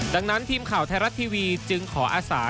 ดังนั้นทีมข่าวไทยรัฐทีวีจึงขออาศา